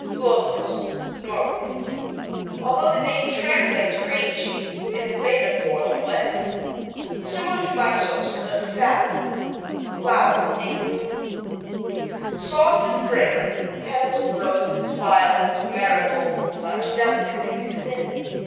Fløtost Norway Although the name translates Cream Cheese it is made of boiled whey. Similar to Mysost, but fatter. Flower England Soft and fragrant with petals of roses, violets, marigolds and such, delicately mixed in.